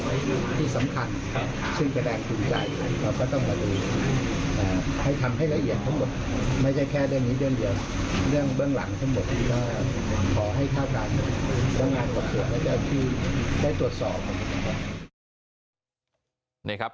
ขอให้ท่าการเตรียมบังคับเศียรได้ที่ได้ตรวจสอบ